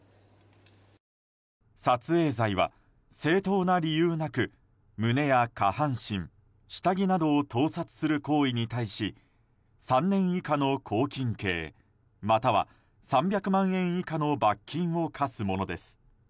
撮影罪は、正当な理由なく胸や下半身、下着などを盗撮する行為に対し３年以下の拘禁刑または３００万円以下の罰金を科すものです。